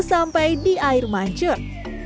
sampai di air mancur